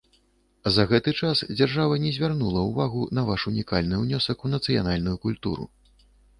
За гэты час дзяржава не звярнула ўвагу на ваш унікальны ўнёсак у нацыянальную культуру.